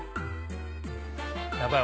やばい